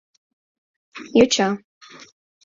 Йоча...